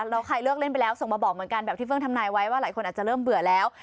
แล้วใครเลือกเล่นไปแล้วส่งมาบอกเหมือนกันแบบที่เพิ่งทำนายไว้ว่าหลายคนอาจจะเริ่มเบื่อแล้ว